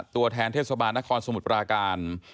ตัวแทนเทศบาลนครสมุทรปราการ